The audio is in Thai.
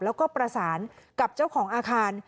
แล้วก็ประสานกับเจ้าของอาคาร